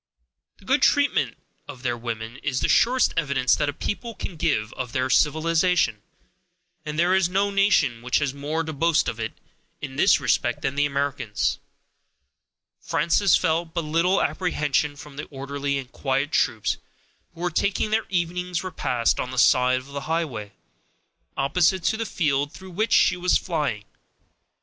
The good treatment of their women is the surest evidence that a people can give of their civilization; and there is no nation which has more to boast of, in this respect, than the Americans. Frances felt but little apprehension from the orderly and quiet troops who were taking their evening's repast on the side of the highway, opposite to the field through which she was flying.